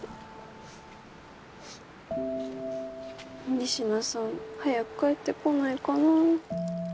仁科さん早く帰ってこないかなぁ。